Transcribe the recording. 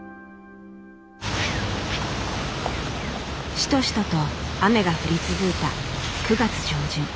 シトシトと雨が降り続いた９月上旬。